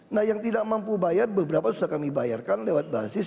nah yang tidak mampu bayar beberapa sudah kami bayarkan lewat basis